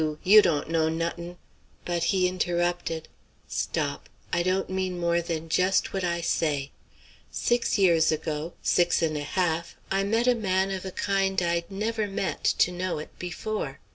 you dawn't know not'n' " But he interrupted: "Stop, I don't mean more than just what I say. Six years ago six and a half I met a man of a kind I'd never met, to know it, before.